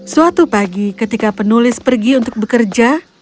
suatu pagi ketika penulis pergi untuk bekerja